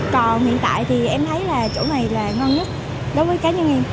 còn hiện tại thì em thấy là chỗ này là ngon nhất đối với cá nhân em